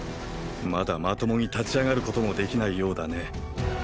まだまともに立ち上がることもできないようだね。